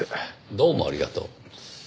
どうもありがとう。